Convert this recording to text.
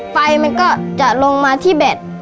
ไฟมันก็จะลงมาที่แบต